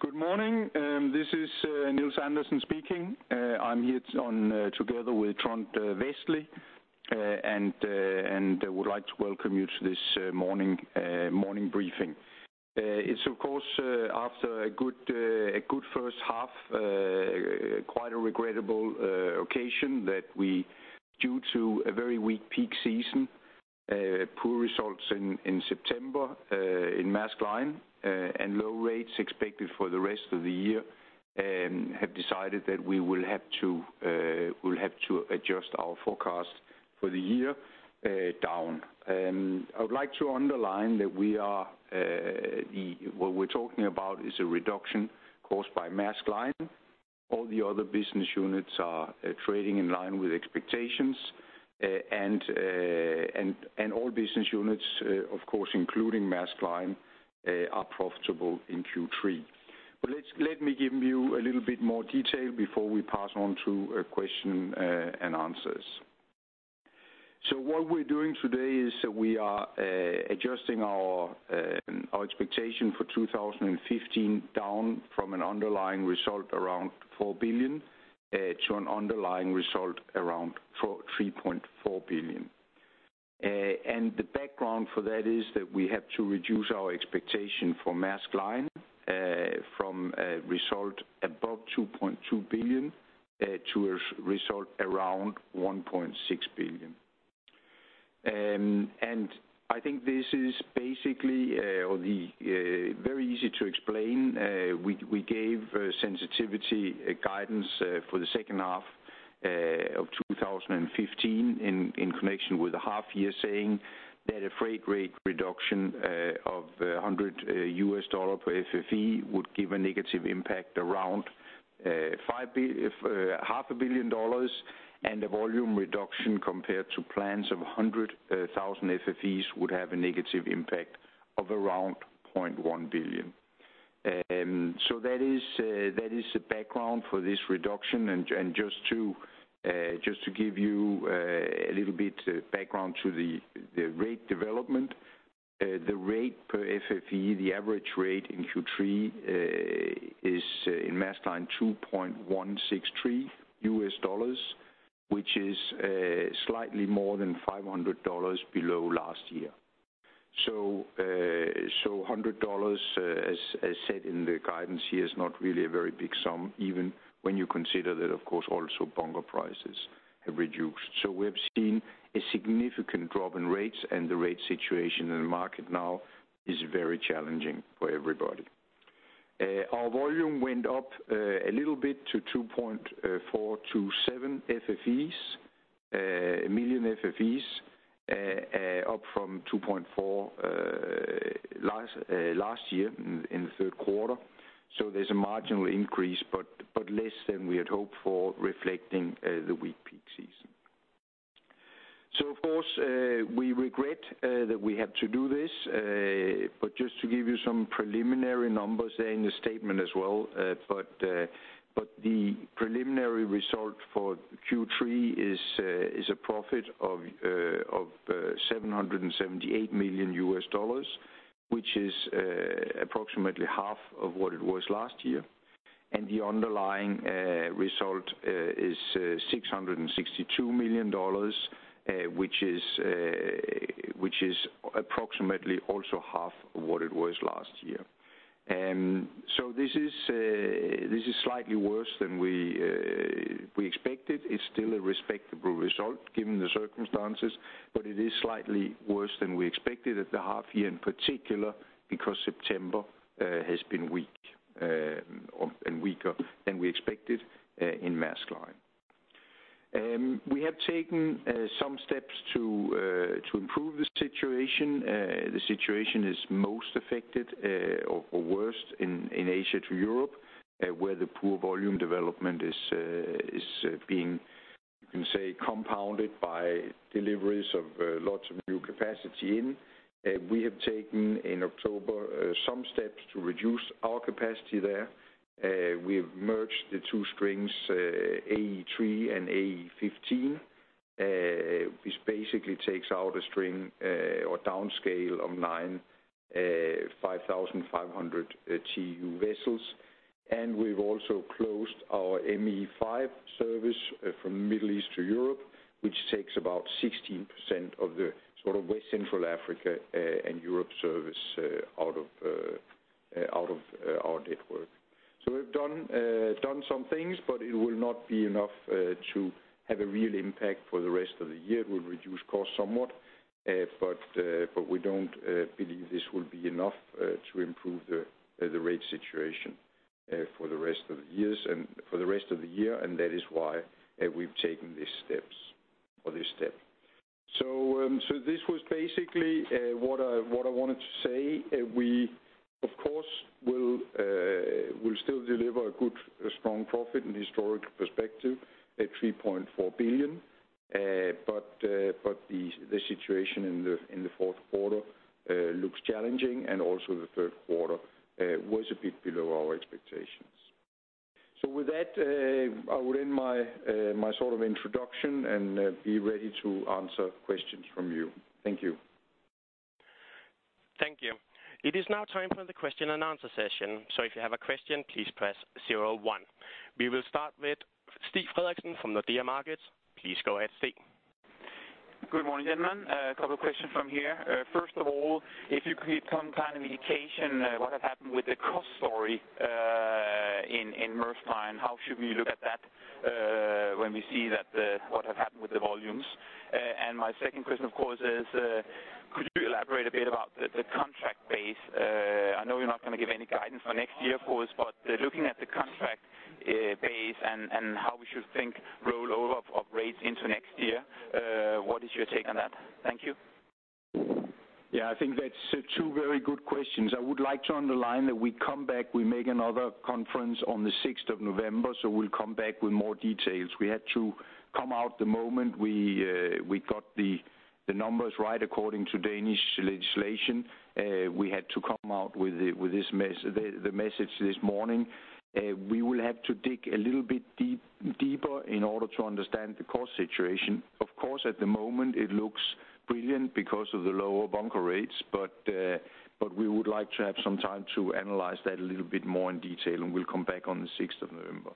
Good morning. This is Nils Andersen speaking. I'm here together with Trond Westlie and would like to welcome you to this morning briefing. It's of course after a good first half, quite a regrettable occasion that we, due to a very weak peak season, poor results in September in Maersk Line and low rates expected for the rest of the year, have decided that we'll have to adjust our forecast for the year down. I would like to underline that we are, what we're talking about is a reduction caused by Maersk Line. All the other business units are trading in line with expectations. All business units, of course, including Maersk Line, are profitable in Q3. Let me give you a little bit more detail before we pass on to question and answers. What we're doing today is we are adjusting our expectation for 2015 down from an underlying result around $4 billion to an underlying result around $3.4 billion. The background for that is that we have to reduce our expectation for Maersk Line from a result above $2.2 billion to a result around $1.6 billion. I think this is basically the very easy to explain. We gave sensitivity guidance for the second half of 2015 in connection with the half year saying that a freight rate reduction of $100 per FEU would give a negative impact around $ half a billion dollars and a volume reduction compared to plans of 100,000 FEUs would have a negative impact of around $0.1 billion. That is the background for this reduction. Just to give you a little bit background to the rate development. The rate per FEU, the average rate in Q3, is in Maersk Line $2,163, which is slightly more than $500 below last year. A hundred dollars, as said in the guidance here, is not really a very big sum, even when you consider that of course also bunker prices have reduced. We have seen a significant drop in rates, and the rate situation in the market now is very challenging for everybody. Our volume went up a little bit to 2.427 million FEUs, up from 2.4 last year in the third quarter. There's a marginal increase, but less than we had hoped for, reflecting the weak peak season. Of course, we regret that we have to do this, but just to give you some preliminary numbers there in the statement as well. The preliminary result for Q3 is a profit of $778 million, which is approximately half of what it was last year. The underlying result is $662 million, which is approximately also half of what it was last year. This is slightly worse than we expected. It's still a respectable result given the circumstances, but it is slightly worse than we expected at the half year, in particular, because September has been weak and weaker than we expected in Maersk Line. We have taken some steps to improve the situation. The situation is most affected or worse in Asia to Europe, where the poor volume development is being, you can say, compounded by deliveries of lots of new capacity in. We have taken in October some steps to reduce our capacity there. We've merged the two strings AE3 and AE15, which basically takes out a string or downscale of nine 5,500 TEU vessels. We've also closed our ME5 service from Middle East to Europe, which takes about 16% of the sort of West Central Africa and Europe service out of our network. We've done some things, but it will not be enough to have a real impact for the rest of the year. We'll reduce costs somewhat, but we don't believe this will be enough to improve the rate situation for the rest of the years and for the rest of the year, and that is why we've taken these steps or this step. This was basically what I wanted to say. We of course will still deliver a good, strong profit in historical perspective at $3.4 billion. But the situation in the fourth quarter looks challenging and also the third quarter was a bit below our expectations. With that, I would end my sort of introduction and be ready to answer questions from you. Thank you. Thank you. It is now time for the question and answer session, so if you have a question, please press zero one. We will start with Stig Frederiksen from Nordea Markets. Please go ahead, Stig. Good morning, gentlemen. A couple of questions from here. First of all, if you could give some kind of indication, what had happened with the cost story in Maersk Line, how should we look at that when we see that what have happened with the volumes? My second question, of course, is, could you elaborate a bit about the contract base? I know you're not gonna give any guidance for next year, of course, but looking at the contract base and how we should think rollover of rates into next year, what is your take on that? Thank you. Yeah. I think that's two very good questions. I would like to underline that we come back, we make another conference on the sixth of November, so we'll come back with more details. We had to come out the moment we got the numbers right according to Danish legislation. We had to come out with this message this morning. We will have to dig a little bit deeper in order to understand the cost situation. Of course, at the moment it looks brilliant because of the lower bunker rates, but we would like to have some time to analyze that a little bit more in detail, and we'll come back on the sixth of November.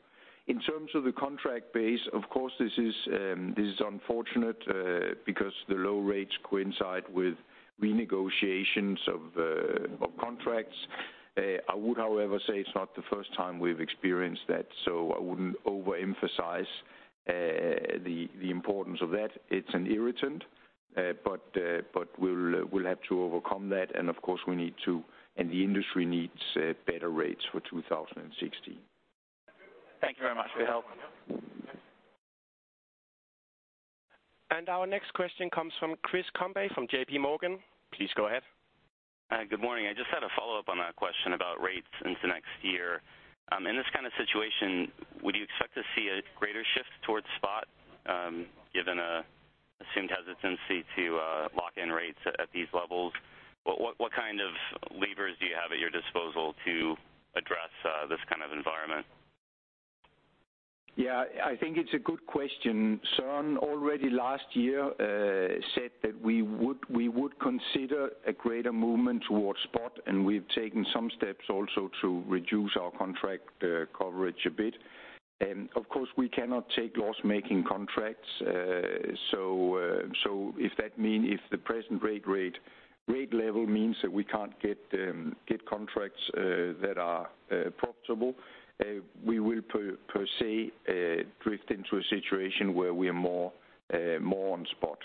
In terms of the contract base, of course, this is unfortunate, because the low rates coincide with renegotiations of contracts. I would, however, say it's not the first time we've experienced that, so I wouldn't overemphasize the importance of that. It's an irritant, but we'll have to overcome that and of course we need to, and the industry needs, better rates for 2016. Thank you very much for your help. Our next question comes from Chris Combe from JPMorgan. Please go ahead. Hi. Good morning. I just had a follow-up on that question about rates into next year. In this kind of situation, would you expect to see a greater shift towards spot, given an assumed hesitancy to lock in rates at these levels? What kind of levers do you have at your disposal to address this kind of environment? Yeah. I think it's a good question. Søren already last year said that we would consider a greater movement towards spot, and we've taken some steps also to reduce our contract coverage a bit. Of course, we cannot take loss-making contracts. If the present rate level means that we can't get contracts that are profitable, we will per se drift into a situation where we are more on spot.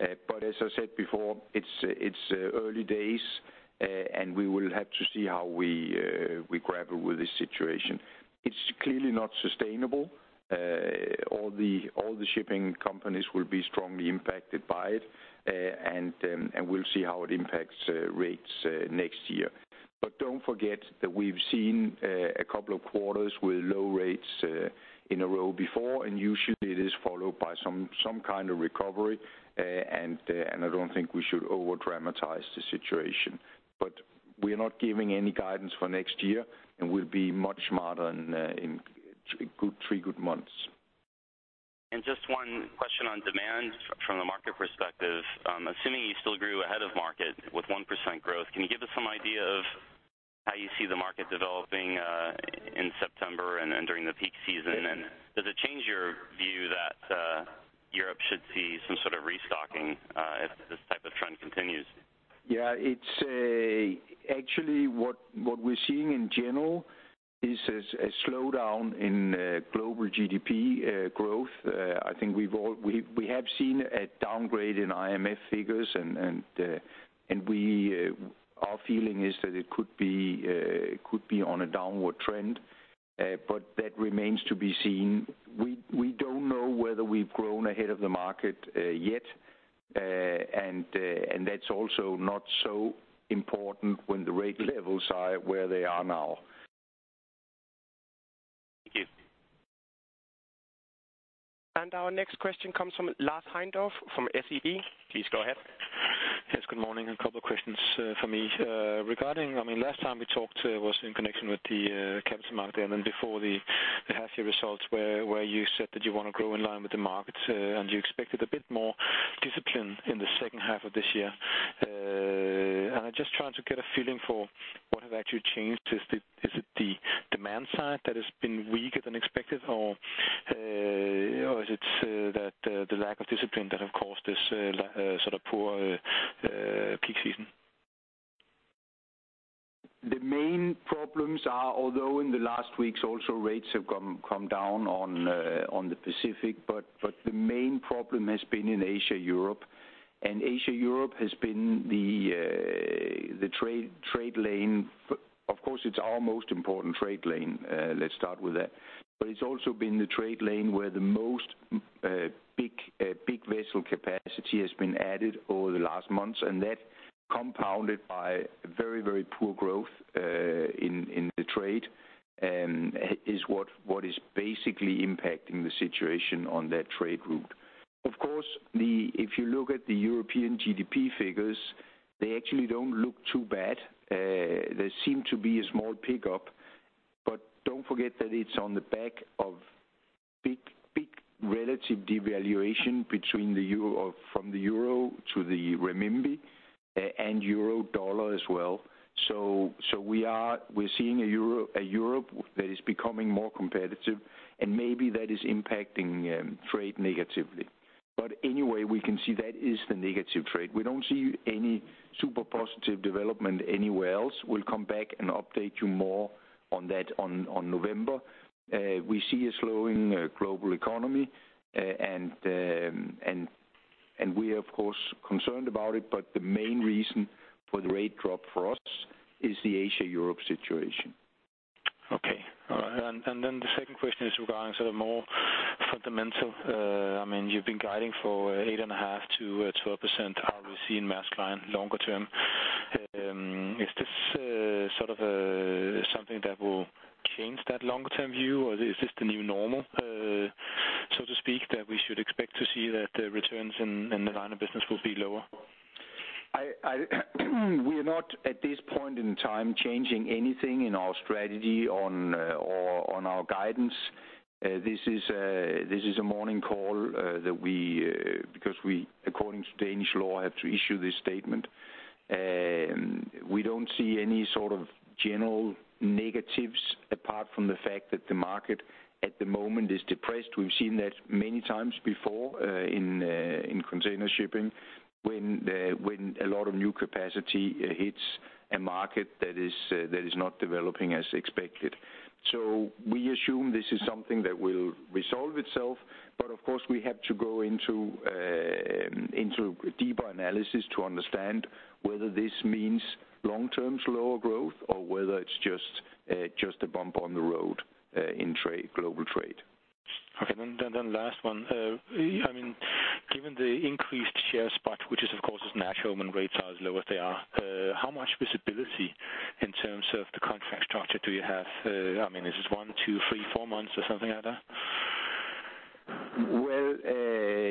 As I said before, it's early days, and we will have to see how we grapple with this situation. It's clearly not sustainable. All the shipping companies will be strongly impacted by it, and we'll see how it impacts rates next year. Don't forget that we've seen a couple of quarters with low rates in a row before, and usually it is followed by some kind of recovery. I don't think we should overdramatize the situation. We are not giving any guidance for next year, and we'll be much smarter in three good months. Just one question on demand from the market perspective. Assuming you still grew ahead of market with 1% growth, can you give us some idea of how you see the market developing in September and then during the peak season? Does it change your view that Europe should see some sort of restocking if this type of trend continues? Yeah. It's actually what we're seeing in general is a slowdown in global GDP growth. I think we have seen a downgrade in IMF figures and our feeling is that it could be on a downward trend, but that remains to be seen. We don't know whether we've grown ahead of the market yet. That's also not so important when the rate levels are where they are now. Thank you. Our next question comes from Lars Heindorff from SEB. Please go ahead. Yes, good morning, and a couple of questions from me. Regarding, I mean, last time we talked, it was in connection with the capital market and then before the half year results where you said that you wanna grow in line with the markets, and you expected a bit more discipline in the second half of this year. I'm just trying to get a feeling for what have actually changed. Is it the demand side that has been weaker than expected, or is it that the lack of discipline that have caused this sort of poor peak season? The main problems are, although in the last weeks also rates have come down on the Pacific, but the main problem has been in Asia-Europe. Asia-Europe has been the trade lane. Of course, it's our most important trade lane, let's start with that. It's also been the trade lane where the most big vessel capacity has been added over the last months. That compounded by very poor growth in the trade is what is basically impacting the situation on that trade route. Of course, if you look at the European GDP figures, they actually don't look too bad. There seem to be a small pickup, but don't forget that it's on the back of big relative devaluation between the euro from the euro to the renminbi and euro/dollar as well. We're seeing a Europe that is becoming more competitive, and maybe that is impacting trade negatively. Anyway, we can see that is the negative trade. We don't see any super positive development anywhere else. We'll come back and update you more on that on November. We see a slowing global economy, and we are of course concerned about it, but the main reason for the rate drop for us is the Asia/Europe situation. The second question is regarding sort of more fundamental, I mean, you've been guiding for 8.5%-12% ROIC in Maersk Line longer term. Is this sort of something that will change that longer term view or is this the new normal, so to speak, that we should expect to see that the returns in the liner business will be lower? We are not at this point in time changing anything in our strategy on or on our guidance. This is a morning call that we because we according to Danish law have to issue this statement. We don't see any sort of general negatives apart from the fact that the market at the moment is depressed. We've seen that many times before in container shipping when a lot of new capacity hits a market that is not developing as expected. We assume this is something that will resolve itself, but of course we have to go into deeper analysis to understand whether this means long term slower growth or whether it's just a bump on the road in trade, global trade. Okay. Last one. I mean, given the increased spot share, which of course is natural when rates are as low as they are, how much visibility in terms of the contract structure do you have? I mean, is this one, two, three, four months or something like that? Well,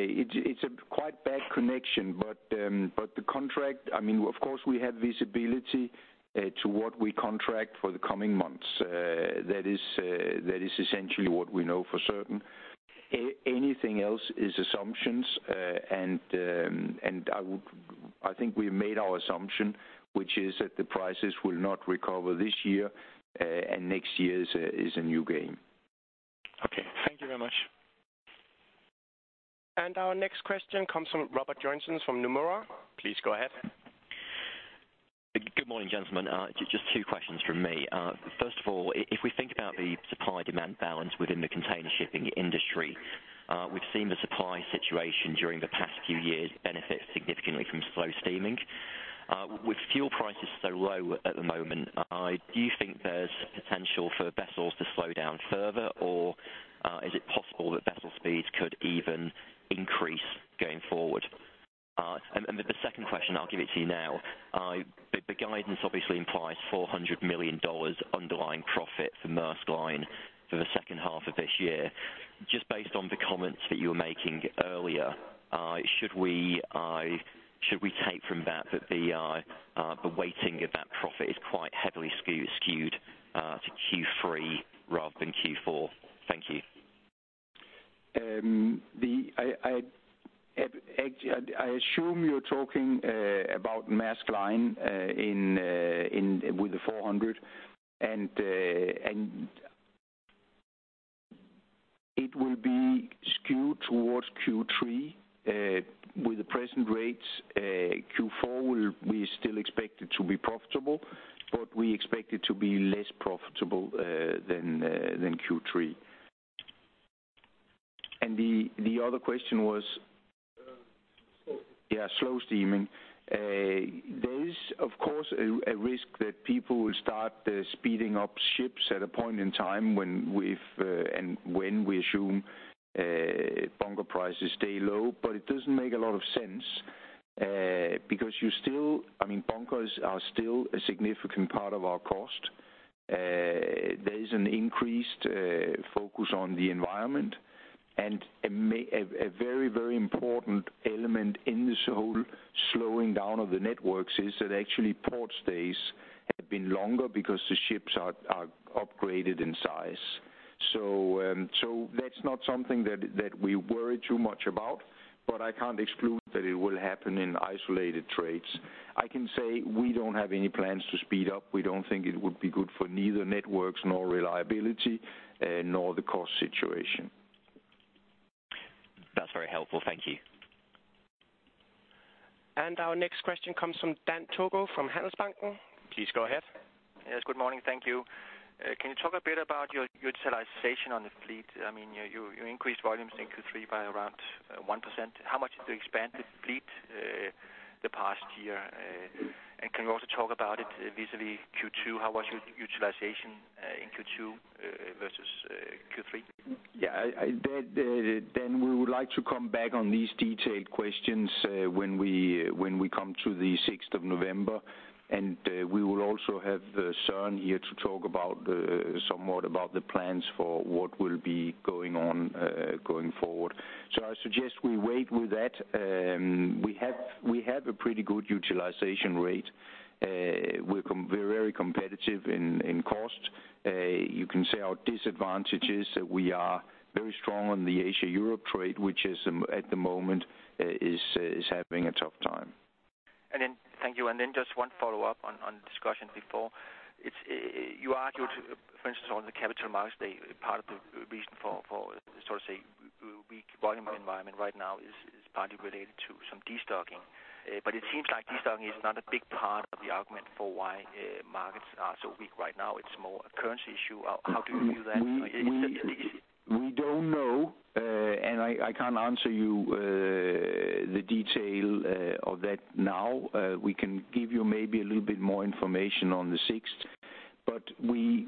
it's a quite bad connection, but the contract, I mean, of course we have visibility to what we contract for the coming months. That is essentially what we know for certain. Anything else is assumptions, and I think we've made our assumption, which is that the prices will not recover this year, and next year is a new game. Okay. Thank you very much. Our next question comes from Robert Joynson from Nomura. Please go ahead. Good morning, gentlemen. Just two questions from me. First of all, if we think about the supply demand balance within the container shipping industry, we've seen the supply situation during the past few years benefit significantly from slow steaming. With fuel prices so low at the moment, do you think there's potential for vessels to slow down further or is it possible that vessel speeds could even increase going forward? The second question, I'll give it to you now. The guidance obviously implies $400 million underlying profit for Maersk Line for the second half of this year. Just based on the comments that you were making earlier, should we take from that that the weighting of that profit is quite heavily skewed to Q3 rather than Q4? Thank you. I assume you're talking about Maersk Line in with the 400 and it will be skewed towards Q3 with the present rates. Q4 will. We still expect it to be profitable, but we expect it to be less profitable than Q3. The other question was? Yeah, slow steaming. There is of course a risk that people will start speeding up ships at a point in time when we assume bunker prices stay low, but it doesn't make a lot of sense because you still, I mean, bunkers are still a significant part of our cost. There is an increased focus on the environment and a very, very important element in this whole slowing down of the networks is that actually port stays have been longer because the ships are upgraded in size. That's not something that we worry too much about. I can't exclude that it will happen in isolated trades. I can say we don't have any plans to speed up. We don't think it would be good for neither networks nor reliability, nor the cost situation. That's very helpful. Thank you. Our next question comes from Dan Togo from Handelsbanken. Please go ahead. Yes. Good morning. Thank you. Can you talk a bit about your utilization on the fleet? I mean, you increased volumes in Q3 by around 1%. How much did you expand the fleet the past year? Can you also talk about it vis-à-vis Q2? How was utilization in Q2 versus Q3? Yeah. Dan, we would like to come back on these detailed questions when we come to the sixth of November. We will also have Søren Skou here to talk somewhat about the plans for what will be going on going forward. I suggest we wait with that. We have a pretty good utilization rate. We're very competitive in cost. You can say our disadvantage is that we are very strong on the Asia Europe trade, which is at the moment having a tough time. Thank you. Just one follow-up on the discussion before. It's you argued, for instance, on the Capital Markets Day, part of the reason for sort of say weak volume environment right now is partly related to some destocking. But it seems like destocking is not a big part of the argument for why markets are so weak right now. It's more a currency issue. How do you view that? We don't know. I can't answer you the detail of that now. We can give you maybe a little bit more information on the sixth. We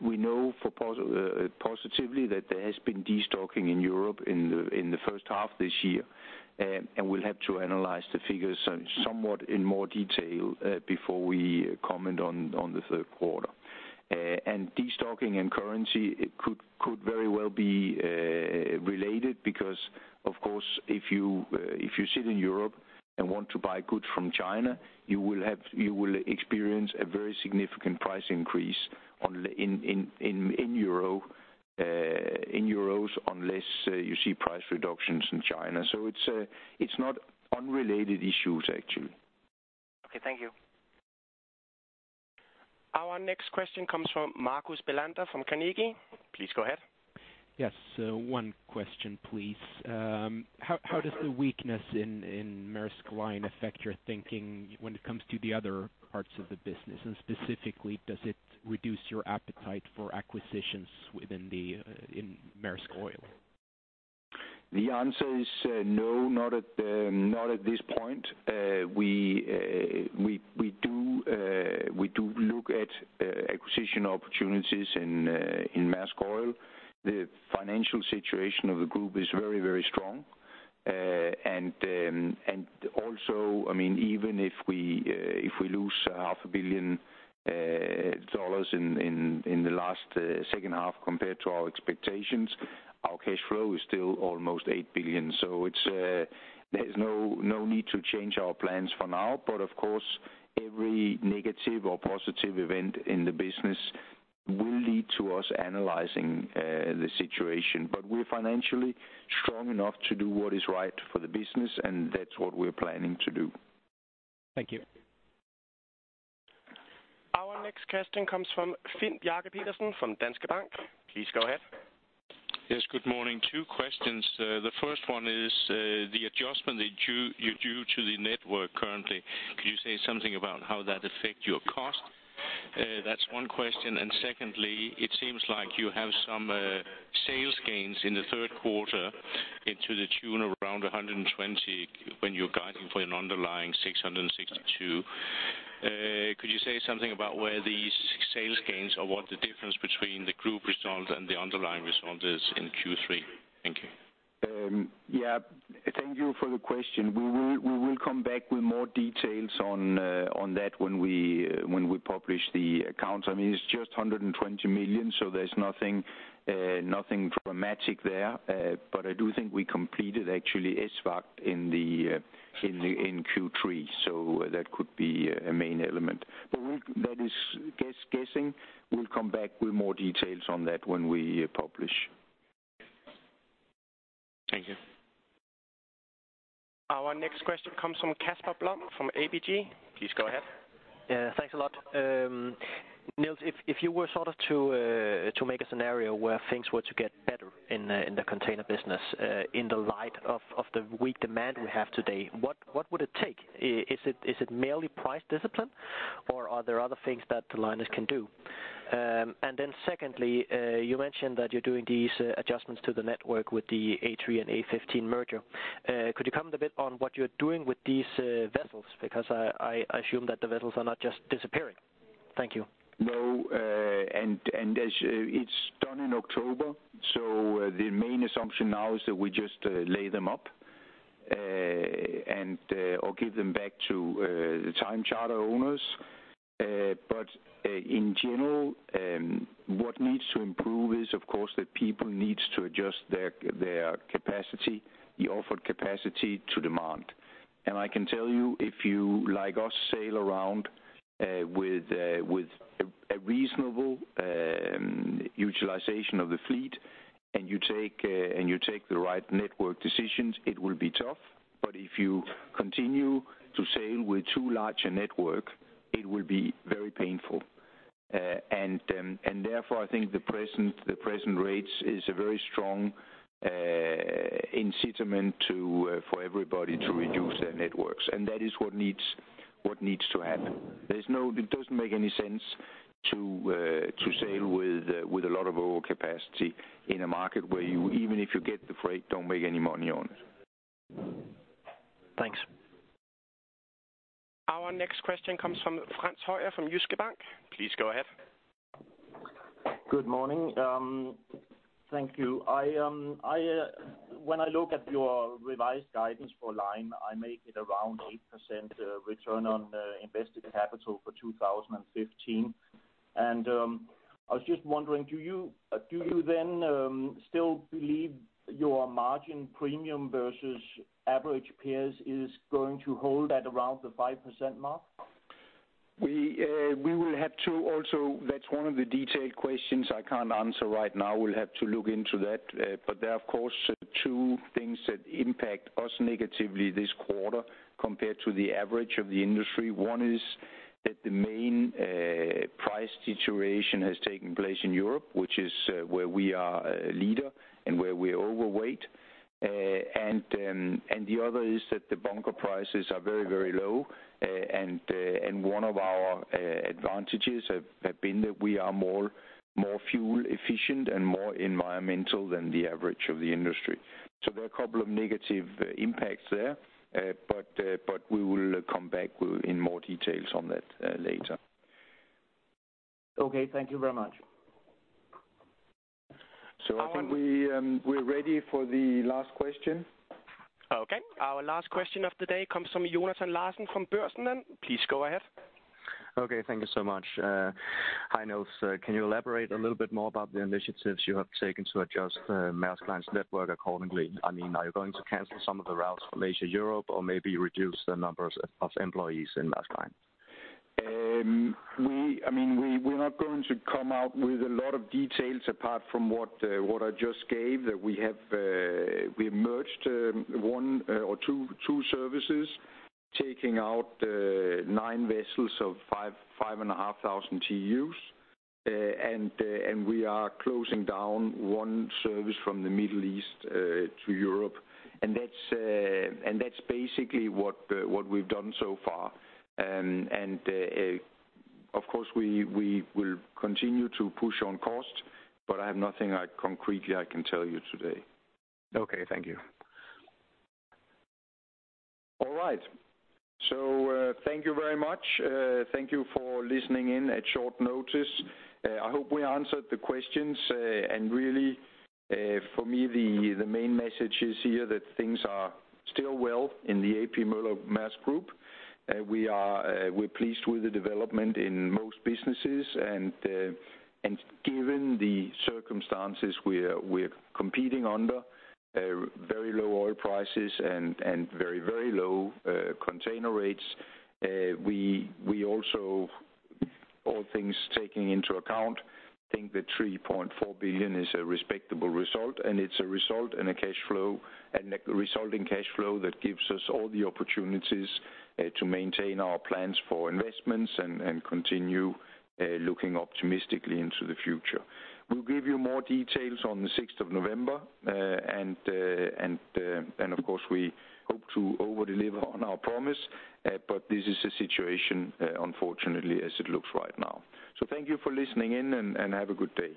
know positively that there has been destocking in Europe in the first half this year. We'll have to analyze the figures somewhat in more detail before we comment on the third quarter. Destocking and currency could very well be related because, of course, if you sit in Europe and want to buy goods from China, you will experience a very significant price increase in euros, unless you see price reductions in China. It's not unrelated issues actually. Okay. Thank you. Our next question comes from Marcus Bellander from Carnegie. Please go ahead. Yes. One question, please. How does the weakness in Maersk Line affect your thinking when it comes to the other parts of the business? Specifically, does it reduce your appetite for acquisitions in Maersk Oil? The answer is no, not at this point. We do look at acquisition opportunities in Maersk Oil. The financial situation of the group is very, very strong. Also, I mean, even if we lose half a billion dollars in the last second half compared to our expectations, our cash flow is still almost $8 billion. It's. There's no need to change our plans for now. Of course, every negative or positive event in the business will lead to us analyzing the situation. We're financially strong enough to do what is right for the business, and that's what we're planning to do. Thank you. Our next question comes from Finn Bjarke Pedersen from Danske Bank. Please go ahead. Yes, good morning. Two questions. The first one is, the adjustment that you do to the network currently. Could you say something about how that affect your cost? That's one question. Secondly, it seems like you have some sales gains in the third quarter to the tune of around $120 when you're guiding for an underlying $662. Could you say something about where these sales gains or what the difference between the group result and the underlying result is in Q3? Thank you. Yeah. Thank you for the question. We will come back with more details on that when we publish the accounts. I mean, it's just $120 million, so there's nothing dramatic there. But I do think we completed actually Esvagt in Q3. So that could be a main element. But that is guessing. We'll come back with more details on that when we publish. Thank you. Our next question comes from Casper Blom from ABG. Please go ahead. Yeah. Thanks a lot. Nils, if you were sort of to make a scenario where things were to get better in the container business, in the light of the weak demand we have today, what would it take? Is it merely price discipline, or are there other things that the liners can do? Then secondly, you mentioned that you're doing these adjustments to the network with the AE3 and AE15 merger. Could you comment a bit on what you're doing with these vessels? Because I assume that the vessels are not just disappearing. Thank you. No. as it's done in October, so the main assumption now is that we just lay them up and or give them back to the time charter owners. In general, what needs to improve is, of course, that people needs to adjust their capacity, the offered capacity to demand. I can tell you, if you, like us, sail around with a reasonable utilization of the fleet and you take the right network decisions, it will be tough. If you continue to sail with too large a network, it will be very painful. Therefore, I think the present rates is a very strong incentive for everybody to reduce their networks. That is what needs to happen. It doesn't make any sense to sail with a lot of overcapacity in a market where you, even if you get the freight, don't make any money on it. Thanks. Our next question comes from Frans Høyer from Jyske Bank. Please go ahead. Good morning. Thank you. When I look at your revised guidance for Line, I make it around 8% return on invested capital for 2015. I was just wondering, do you then still believe your margin premium versus average peers is going to hold at around the 5% mark? We will have to also, that's one of the detailed questions I can't answer right now. We'll have to look into that. There are of course two things that impact us negatively this quarter compared to the average of the industry. One is that the main price situation has taken place in Europe, which is where we are a leader and where we overweight. The other is that the bunker prices are very, very low. One of our advantages have been that we are more fuel efficient and more environmental than the average of the industry. There are a couple of negative impacts there. We will come back with more details on that later. Okay. Thank you very much. I think we're ready for the last question. Okay, our last question of the day comes from Jonathan Larsen from Børsen. Please go ahead. Okay, thank you so much. Hi, Nils. Can you elaborate a little bit more about the initiatives you have taken to adjust Maersk Line's network accordingly? I mean, are you going to cancel some of the routes from Asia to Europe or maybe reduce the numbers of employees in Maersk Line? We're not going to come out with a lot of details apart from what I just gave. That we have merged two services, taking out 9 vessels of 5,500 TEUs. We are closing down one service from the Middle East to Europe. That's basically what we've done so far. Of course, we will continue to push on cost, but I have nothing concretely I can tell you today. Okay. Thank you. All right. Thank you very much. Thank you for listening in at short notice. I hope we answered the questions. Really, for me, the main message is here that things are still well in the A.P. Moller - Maersk Group. We're pleased with the development in most businesses. Given the circumstances we're competing under, very low oil prices and very low container rates. We also, all things taking into account, think that $3.4 billion is a respectable result, and it's a result and a cash flow and resulting cash flow that gives us all the opportunities to maintain our plans for investments and continue looking optimistically into the future. We'll give you more details on the sixth of November.Of course, we hope to over deliver on our promise. This is the situation, unfortunately, as it looks right now. Thank you for listening in and have a good day.